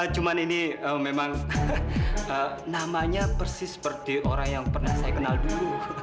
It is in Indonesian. cuma ini memang namanya persis seperti orang yang pernah saya kenal dulu